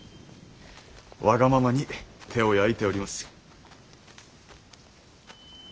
わがままに手を焼いております。